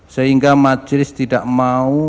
sehingga majelis tidak mau